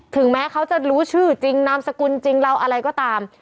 ถึงแม้เขาจะรู้ชื่อจริงนามสกุลจริงเราอะไรก็ตาม